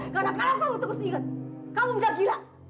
karena kalau kamu terus ingat kamu bisa gila